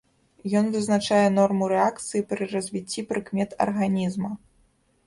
Ён вызначае норму рэакцыі пры развіцці прыкмет арганізма.